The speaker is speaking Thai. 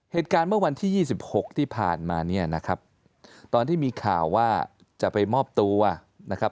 เหตุการณ์เมื่อวันที่๒๖ที่ผ่านมาเนี่ยนะครับตอนที่มีข่าวว่าจะไปมอบตัวนะครับ